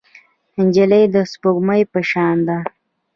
نجلۍ د سپوږمۍ په شان ده.